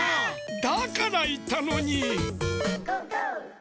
だからいったのに！